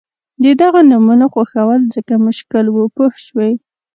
د دغو نومونو خوښول ځکه مشکل وو پوه شوې!.